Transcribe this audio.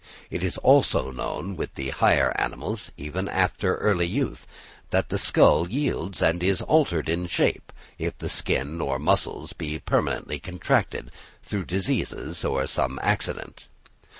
It is also known with the higher animals, even after early youth, that the skull yields and is altered in shape, if the skin or muscles be permanently contracted through disease or some accident.